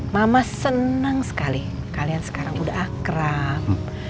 mama senang sekali kalian sekarang udah akrab